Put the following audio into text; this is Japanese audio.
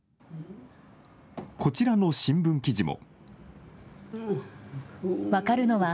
こちらの新聞記事も。